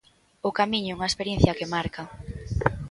O camiño é unha experiencia que marca.